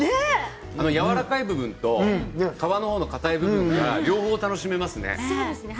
やわらかい部分と皮の方のかたい部分が両方楽しめますね。